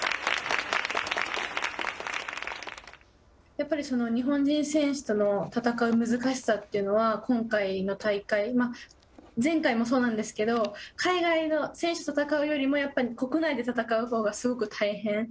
やっぱり日本人選手との戦う難しさというのは今回の大会、前回もそうなんですけど、海外の選手と戦うよりもやっぱり国内で戦うほうがすごく大変。